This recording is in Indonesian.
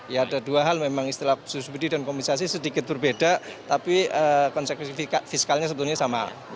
ya ada dua hal memang istilah subsidi dan kompensasi sedikit berbeda tapi konsekuensi fiskalnya sebetulnya sama